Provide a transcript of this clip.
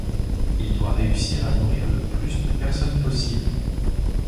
Il doit réussir à nourrir le plus de personnes possibles.